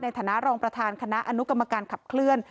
ในฐานะรองประธานคณะอนุกรรมการขับเคลื่อน